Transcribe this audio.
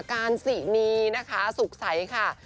การสินีนะคะสุขใสค่ะ